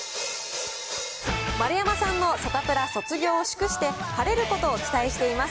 丸山さんのサタプラ卒業を祝して、晴れることを期待しています。